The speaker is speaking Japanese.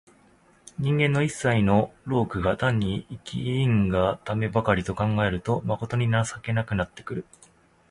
人間の一切の労苦が単に生きんがためばかりと考えると、まことに情けなくなってくる。